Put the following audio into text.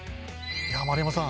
丸山さん